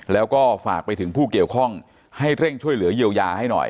แล้วก็ฝากไปถึงผู้เกี่ยวข้องให้เร่งช่วยเหลือเยียวยาให้หน่อย